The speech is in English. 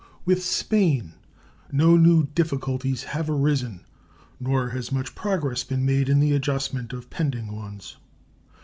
With Spain no new difficulties have arisen, nor has much progress been made in the adjustment of pending ones.